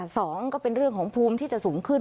สองก็เป็นเรื่องของภูมิที่จะสูงขึ้น